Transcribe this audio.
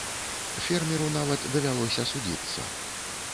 Фермеру нават давялося судзіцца.